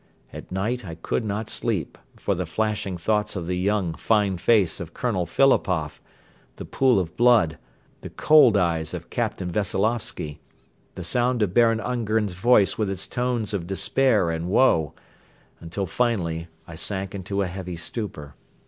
At night I could not sleep for the flashing thoughts of the young, fine face of Colonel Philipoff, the pool of blood, the cold eyes of Captain Veseloffsky, the sound of Baron Ungern's voice with its tones of despair and woe, until finally I sank into a heavy stupor.